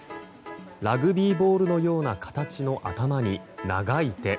ラグビーボールのような形の頭に長い手。